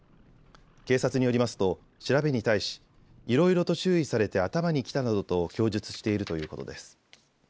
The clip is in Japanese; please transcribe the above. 警察によりますと調べに対しいろいろと注意されて頭にきたなどと供述しているということです。